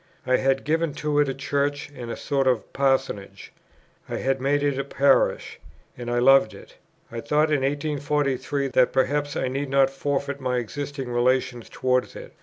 I had given to it a Church and a sort of Parsonage; I had made it a Parish, and I loved it; I thought in 1843 that perhaps I need not forfeit my existing relations towards it.